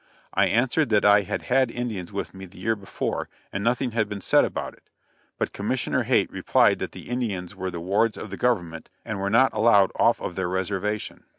I answered that I had had Indians with me the year before and nothing had been said about it; but Commissioner Haight replied that the Indians were the "wards of the government," and were not allowed off of their reservation.